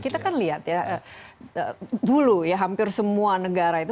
kita kan lihat ya dulu ya hampir semua negara itu